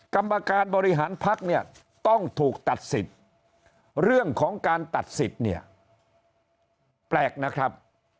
กรรมการบริหารพักเนี่ยต้องถูกตัดสิทธิ์เรื่องของการตัดสิทธิ์เนี่ยแปลกนะครับ